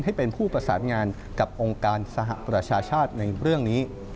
ให้เป็นผู้ประสานงานกับองค์การสหประชาชาติในเรื่องนี้